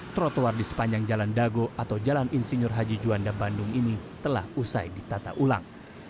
trotoar di sepanjang jalan dago atau jalan insinyur haji juanda bandung ini telah usai ditata ulang